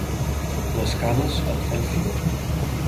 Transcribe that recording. Les cames em fan figa.